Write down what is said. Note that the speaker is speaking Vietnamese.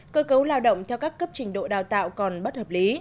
cơ cấu lao động theo các cấp trình độ đào tạo còn bất hợp lý